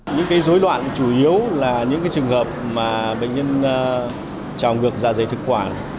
những cái dối loạn chủ yếu là những cái trường hợp mà bệnh nhân trào ngược dạ dày thực quả